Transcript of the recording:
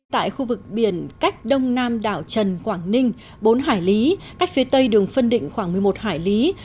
tại khu vực biển cách đông nam đảo trần quảng ninh bốn hải lý cách phía tây đường phân định khoảng một mươi một hải lý